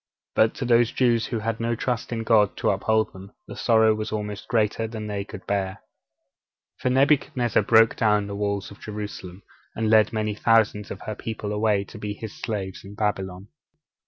But to those Jews who had no trust in God to uphold them, the sorrow was almost greater than they could bear. For Nebuchadnezzar broke down the wall of Jerusalem, and led many thousands of her people away to be his slaves in Babylon.